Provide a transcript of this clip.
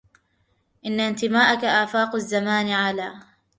إن ائتمانك آفات الزمان على